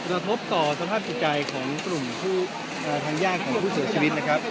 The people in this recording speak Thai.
ระทบต่อสภาพสุดใจของกลุ่มผู้อ่าทางย่างของผู้เสียชีวิตนะครับ